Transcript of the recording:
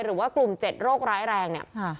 หรือว่ากลุ่ม๗โรคร้ายแรงเนี่ย